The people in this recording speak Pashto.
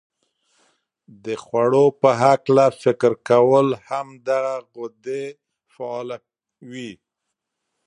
د خوړو په هلکه فکر کول هم دغه غدې فعالوي.